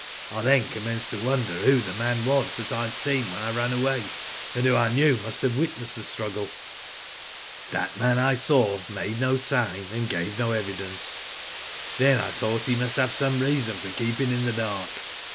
I then commenced to wonder who Digitized byGoogk STARTLING RESULTS. ' 255 the man was that I had seen when I ran away, and who I knew must have witnessed the struggle. That man I saw made no sign, and gave no evidence. Then I thought he must have some reason for keeping in the dark.